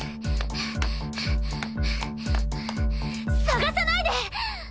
捜さないで！